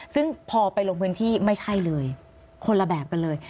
ซึ่งพอไปลงพื้นที่ไม่ใช่เลยคนละแบบกันเลย